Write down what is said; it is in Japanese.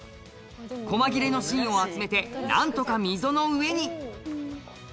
細切れの芯を集めて、なんとか溝の上に。